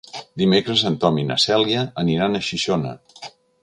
Dimecres en Tom i na Cèlia aniran a Xixona.